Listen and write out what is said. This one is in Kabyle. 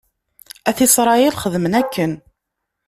At Isṛayil xedmen akken.